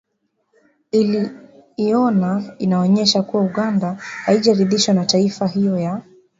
iliiona inaonyesha kuwa Uganda haijaridhishwa na taarifa hiyo ya